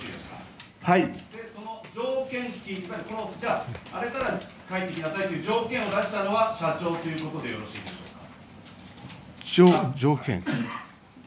その条件付きこの区間、荒れたら帰ってきなさいという条件を出したのは社長ということでよろしいでしょうか。